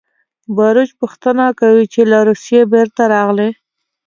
باروچ پوښتنه کوي چې له روسیې بېرته راغلې